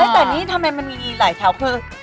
แต่นี่ทำไมมันมีหลายแถวคือ